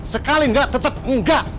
sekali enggak tetap enggak